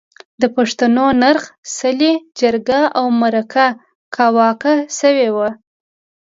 د پښتون نرخ، څلی، جرګه او مرکه کاواکه شوې ده.